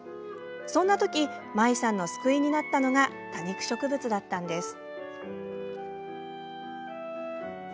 そんなときＭＡｉさんの救いになったのが多肉植物だったんです。